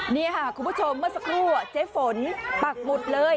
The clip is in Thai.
นี่ค่ะคุณผู้ชมเมื่อสักครู่เจ๊ฝนปักหมุดเลย